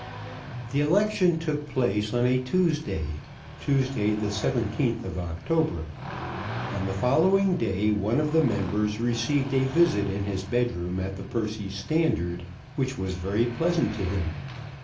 The election took place on a Tuesday, Tuesday, the 17th of October. On the following day one of the members received a visit in his bedroom at the Percy Standard which was very pleasant to him.